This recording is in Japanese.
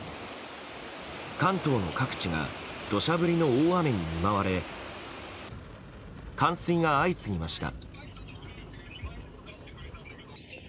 関東の各地が土砂降りの大雨に見舞われ冠水が相次ぎました。